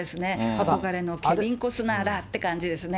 憧れのケビン・コスナーだって感じですね。